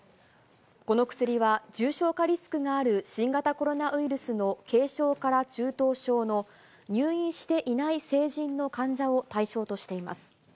この薬は重症化リスクのある新型コロナウイルスの軽症から中等症の入院していない成人の患者を対象としています。